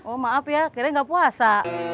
oh maaf ya akhirnya enggak puasa